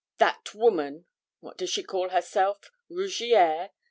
That woman what does she call herself Rougierre?